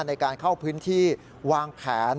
ในการเข้าพื้นที่วางแผน